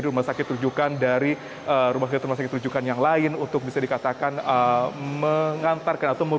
baik dari bagaimana